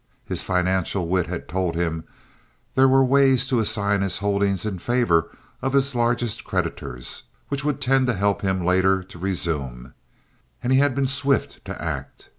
His financial wit had told him there were ways to assign his holdings in favor of his largest creditors, which would tend to help him later to resume; and he had been swift to act.